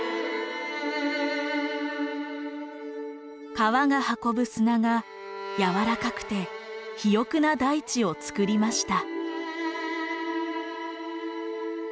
河が運ぶ砂がやわらかくて肥沃な大地をつくりました。